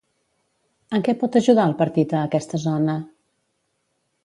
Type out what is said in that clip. En què pot ajudar el partit a aquesta zona?